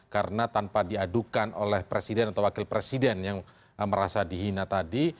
karena tanpa diadukan oleh presiden atau wakil presiden yang merasa dihina tadi